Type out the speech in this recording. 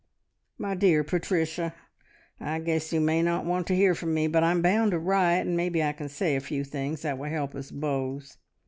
"My dear Patricia, I guess you may not want to hear from me, but I'm bound to write, and maybe I can say a few things that will help us both.